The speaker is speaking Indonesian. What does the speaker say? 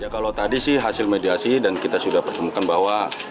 kalau tadi sih hasil mediasi dan kita sudah pertemukan bahwa